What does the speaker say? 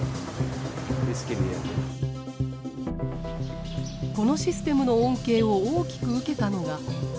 このシステムの恩恵を大きく受けたのが農村でした。